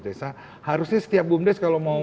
desa harusnya setiap bumdes kalau mau